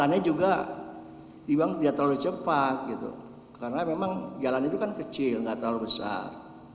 karena juga ibang tidak terlalu cepat karena memang jalan itu kan kecil tidak terlalu besar